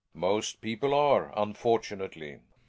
Most people are, unfortunately.